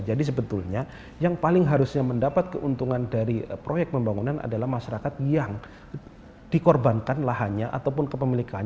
jadi sebetulnya yang paling harusnya mendapat keuntungan dari proyek pembangunan adalah masyarakat yang dikorbankan lahannya ataupun kepemilikan